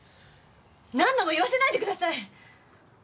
何度も言わせないでください！